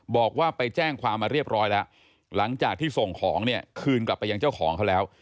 บอกว่าไปแจ้งความมาเรียบร้อยแล้วหลังจากที่ส่งของเนี่ยคืนกลับไปยังเจ้าของเขาแล้ว